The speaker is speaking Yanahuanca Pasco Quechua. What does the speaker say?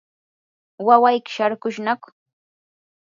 ¿wawayki sharkushnaku?